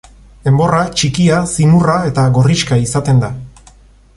Enborra txikia, zimurra eta gorrixka izaten da.